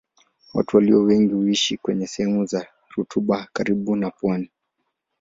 Watu walio wengi huishi kwenye sehemu za rutuba karibu na pwani.